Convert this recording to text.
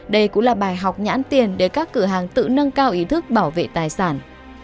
đây cũng là bài học nhãn tiền để các cửa hàng tự nâng cao ý thức bảo vệ tài sản